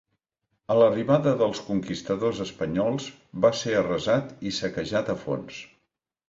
A l'arribada dels conquistadors espanyols, va ser arrasat i saquejat a fons.